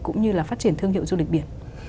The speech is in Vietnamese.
cũng như là phát triển thương hiệu du lịch biển